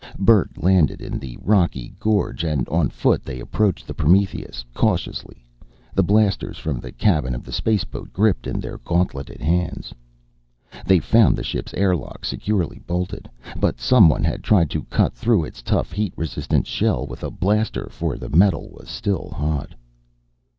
Bert landed in the rocky gorge, and on foot they approached the Prometheus cautiously, the blasters from the cabin of the spaceboat gripped in their gauntleted hands. They found the ship's airlock securely bolted. But someone had tried to cut through its tough, heat resistant shell with a blaster for the metal was still hot.